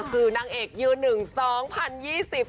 คือนางเอกยืนหนึ่งสองพันยี่สิบ